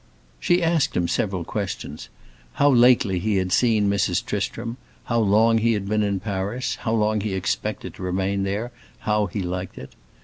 She asked him several questions: how lately he had seen Mrs. Tristram, how long he had been in Paris, how long he expected to remain there, how he liked it.